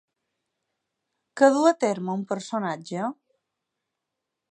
Què duu a terme un personatge?